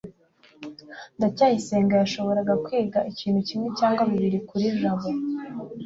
ndacyayisenga yashoboraga kwiga ikintu kimwe cyangwa bibiri kuri jabo